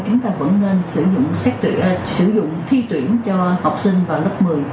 chúng ta vẫn nên sử dụng thi tuyển cho học sinh vào lớp một mươi